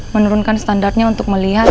menurunkan standarnya untuk melihat